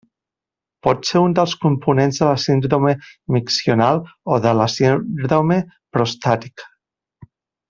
Pot ser un dels components de la síndrome miccional o de la síndrome prostàtica.